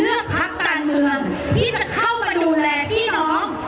พักการเมืองที่จะเข้ามาดูแลพี่น้อง